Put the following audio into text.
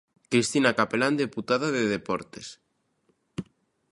Cristina Capelán, deputada de Deportes.